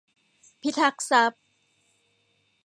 พิทักษ์ทรัพย์